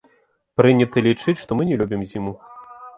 Прынята лічыць, што мы не любім зіму.